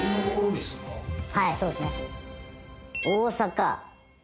はいそうですね。